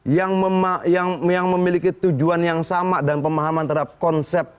yang memiliki tujuan yang sama dan pemahaman terhadap konsep